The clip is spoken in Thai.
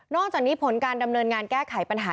จากนี้ผลการดำเนินงานแก้ไขปัญหา